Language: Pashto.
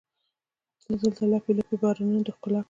ته به دلته لپې، لپې بارانونه د ښکلا کړي